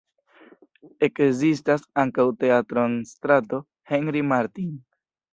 Ekzistas ankaŭ teatro en strato Henri Martin.